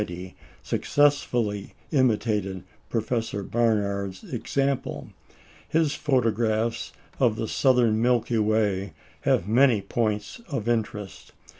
Russell, at Sydney in 1890, successfully imitated Professor Barnard's example. His photographs of the southern Milky Way have many points of interest.